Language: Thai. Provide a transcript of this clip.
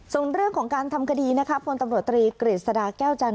ส่วนเรื่องของการทำคดีนะคะพลตำรวจตรีกฤษฎาแก้วจันท